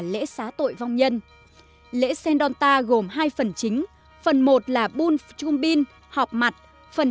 lễ xá tội vong nhân lễ sendonta gồm hai phần chính phần một là bùn trung binh họp mặt phần